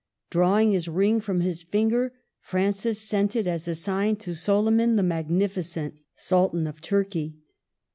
Drawing his ring from his finger, Francis sent it as a sign to Soliman the Magnificent, Sultan of Turkey.